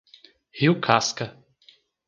Rio Casca